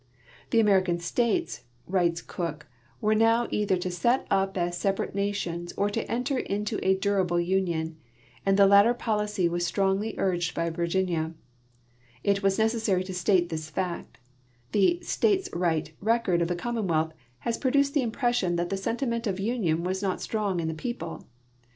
" The American states," writes Cooke, " were now either to set up as separate nations or to enter into a durable union; and the latter policy was strongl}^ urged by Virginia. It is necessary to state this fact; the " states right " record of the commonwealth has pro duced the impression that the sentiment of union was not strong in the people.